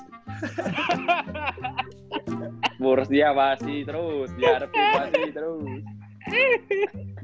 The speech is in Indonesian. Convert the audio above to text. spurs dia masih terus diarepin masih terus